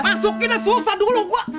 masukin susah dulu gua